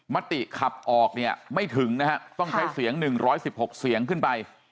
มติขับออกเนี่ยไม่ถึงนะฮะต้องใช้เสียงหนึ่งร้อยสิบหกเสียงขึ้นไป